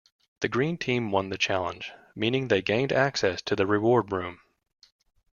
The green team won the challenge, meaning they gained access to the reward room.